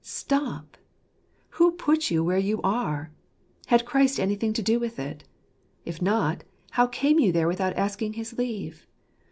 Stop! Who put you where you are? Had Christ anything to do with it ? If not,, how came you there without asking his leave